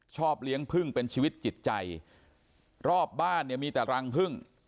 ชอบเลี้ยงพึ่งเป็นชีวิตจิตใจรอบบ้านเนี่ยมีแต่รังพึ่ง